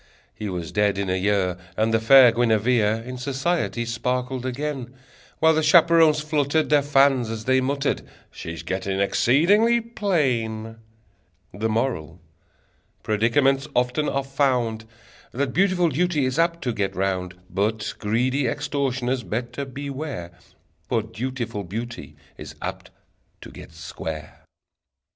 He was dead in a year, And the fair Guinevere In society sparkled again, While the chaperons fluttered Their fans, as they muttered: "She's getting exceedingly plain!" The Moral: Predicaments often are found That beautiful duty is apt to get round: But greedy extortioners better beware For dutiful beauty is apt to get square!